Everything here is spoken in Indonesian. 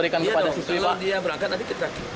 kalau dia berangkat nanti kita